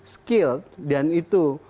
skill dan itu